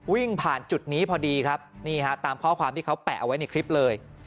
วิ่งผ่านจุดนี้พอดีครับนี่ฮะตามข้อความที่เขาแปะเอาไว้ในคลิปเลย